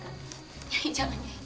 nyai jangan nyai